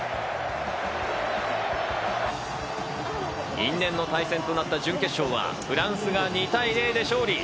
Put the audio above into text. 因縁の対戦となった準決勝はフランスが２対０で勝利。